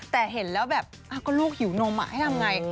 แต่เห็นแล้วแบบก็ลูกหิวนมให้ทำไง